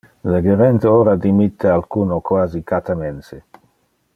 Le gerente ora dimitte alcuno quasi cata mense.